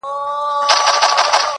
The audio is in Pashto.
o خامخا یې کر د قناعت ثمر را وړی دی,